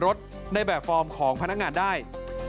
โทษภาพชาวนี้ก็จะได้ราคาใหม่